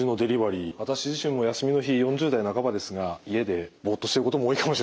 私自身も休みの日４０代半ばですが家でボッとしてることも多いかもしれません。